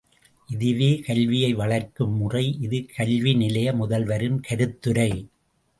இதுவே கல்வியை வளர்க்கும் முறை இது கல்வி நிலைய முதல்வரின் கருத்துரை.